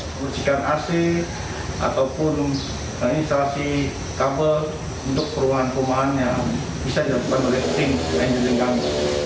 mengujikan arsi ataupun instalasi kabel untuk perumahan perumahan yang bisa dilakukan oleh tim engineering kami